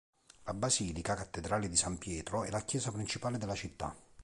La basilica cattedrale di San Pietro è la chiesa principale della città.